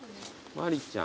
マリちゃん。